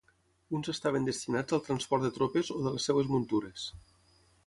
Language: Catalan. Uns estaven destinats al transport de tropes o de les seves muntures.